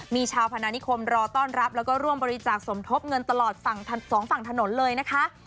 มีชาวพนานิคมรอต้อนรับแล้วก็ร่วมบริจาคสมทบเงินตลอดสองฝั่งถนนเลยนะคะ